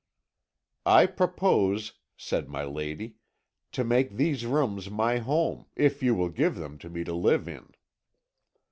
"'I propose,' said my lady, 'to make these rooms my home, if you will give them to me to live in.'